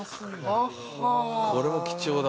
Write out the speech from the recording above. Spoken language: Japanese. これも貴重だ。